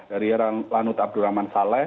dari lanut abdurrahman saleh